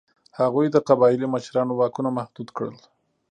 هغوی د قبایلي مشرانو واکونه محدود کړل.